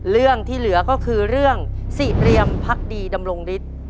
เรื่องที่เหลือก็คือเรื่องสี่เรียมพักดีดำรงฤทธิ์